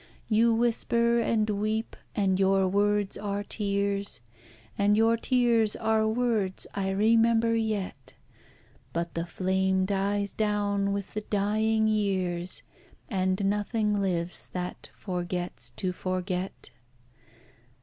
You whisper and weep, and your words are tears, And your tears are words I remember yet; But the flame dies down with the dying years, And nothing lives that forgets to forget.